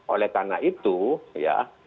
oleh karena itu ya